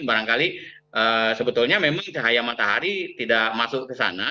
barangkali sebetulnya memang cahaya matahari tidak masuk ke sana